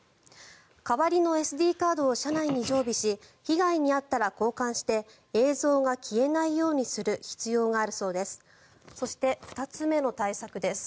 代わりのＳＤカードを車内に常備し被害に遭ったら交換して映像が消えないようにする必要があるそうです。